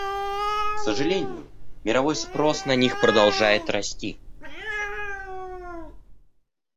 К сожалению, мировой спрос на них продолжает расти.